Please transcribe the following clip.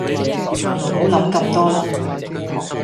唔好諗咁多啦